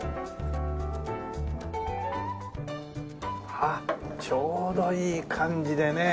あっちょうどいい感じでね。